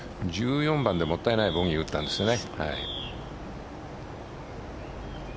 １４番でもったいないボギーを打ったんですよね。